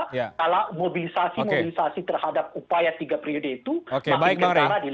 kalau mobilisasi mobilisasi terhadap upaya tiga periode itu makin kentara di lapangan gitu